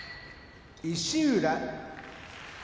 石浦